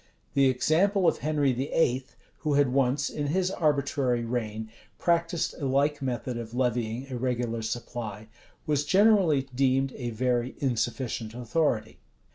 The example of Henry VIII., who had once, in his arbitrary reign, practiced a like method of levying a regular supply, was generally deemed a very insufficient authority.